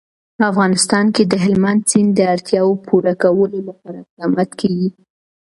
په افغانستان کې د هلمند سیند د اړتیاوو پوره کولو لپاره اقدامات کېږي.